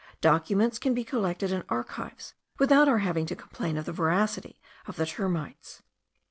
Documents can be collected in archives without our having to complain of the voracity of the termites.